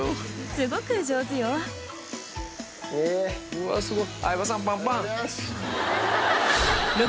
うわすごい。